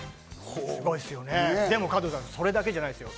でも加藤さん、それだけじゃないですよ。